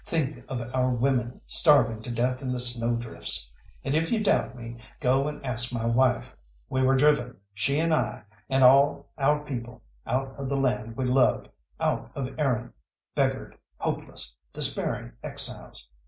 Think of our women starving to death in the snow drifts and, if you doubt me, go and ask me wife. We were driven, she and I, and all our people, out of the land we loved, out of Erin, beggared, hopeless, despairing exiles.